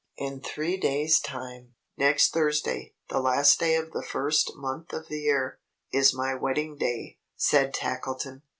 "In three days' time next Thursday the last day of the first month of the year is my wedding day," said Tackleton.